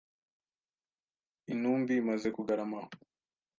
Intumbi imaze kugarama aho